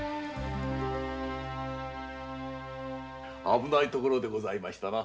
危ないところでございましたな。